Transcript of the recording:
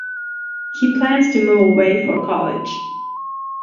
He plans to move away for college.